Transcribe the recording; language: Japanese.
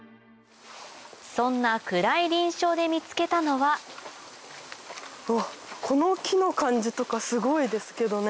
そんな暗い林床で見つけたのはうわっこの木の感じとかすごいですけどね。